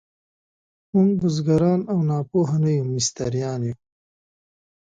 موږ بزګران او ناپوه نه یو، مستریان یو.